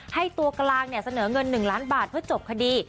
ตัวกลางเสนอเงิน๑ล้านบาทเพื่อจบคดี